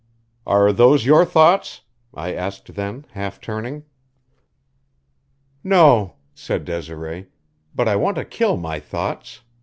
"Are those your thoughts?" I asked then, half turning. "No," said Desiree, "but I want to kill my thoughts.